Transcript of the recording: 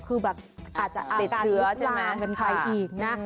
คือแบบอาจจะอาการลุกลางกันไปอีกนะ